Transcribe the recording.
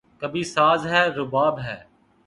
کبھی ساز ہے، رباب ہے